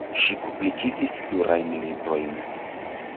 Ŝi publikigis plurajn librojn.